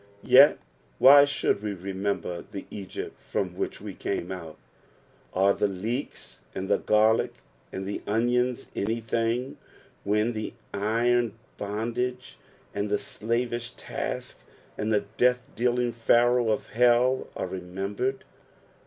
Yet why should we remember the Egypt from which we came out ? Are the leeks and the garlic, and the onions anjtning, when the iron bondage, and the elavish tasks, Hud the death dealing Pharaoh of hell are remembered